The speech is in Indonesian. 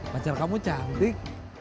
pacar kamu cantik